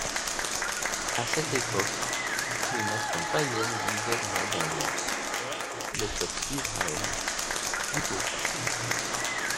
À cette époque, les nations païennes vivaient dans l'abondance, le peuple d'Israël plutôt pas.